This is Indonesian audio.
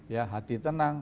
ya hati tenang